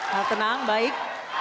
harap tenang baik